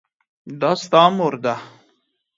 دا ستا مور ده ؟